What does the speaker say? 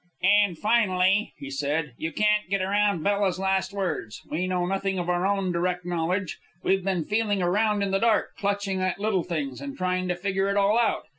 "And, finally," he said, "you can't get around Bella's last words. We know nothing of our own direct knowledge. We've been feeling around in the dark, clutching at little things, and trying to figure it all out.